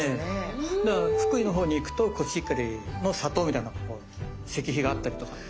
だから福井のほうに行くとコシヒカリの里みたいな石碑があったりとか。